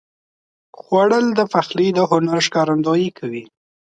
خوړل د پخلي د هنر ښکارندویي کوي